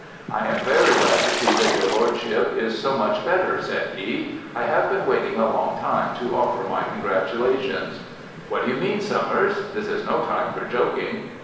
"I am very glad to see that your lordship is so much better," said he. "I have been waiting a long time to offer my congratulations." "What do you mean, Summers? This is no time for joking."